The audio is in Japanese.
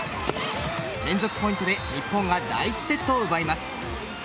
連続ポイントで日本が第１セットを奪います。